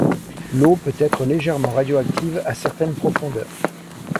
L'eau peut être légèrement radioactive à certaines profondeurs.